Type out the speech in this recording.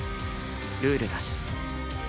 ルールだし。